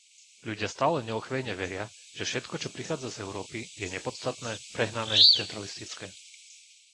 Ľudia stále neochvejne veria, že všetko, čo prichádza z Európy, je nepodstatné, prehnané, centralistické.